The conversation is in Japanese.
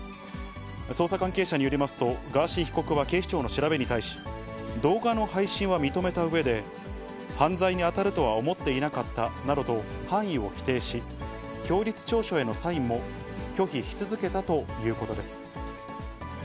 捜査関係者によりますと、ガーシー被告は警視庁の調べに対し、動画の配信は認めたうえで、犯罪に当たるとは思っていなかったなどと犯意を否定し、供述調書へのサインも拒否し続けたということです。